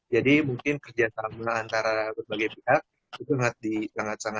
jadi mungkin kerja antara berbagai pihak itu sangat diperlukan